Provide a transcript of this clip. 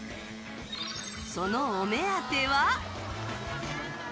そのお目当ては。